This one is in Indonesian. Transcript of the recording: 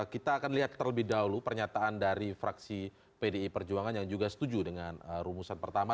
kita akan lihat terlebih dahulu pernyataan dari fraksi pdi perjuangan yang juga setuju dengan rumusan pertama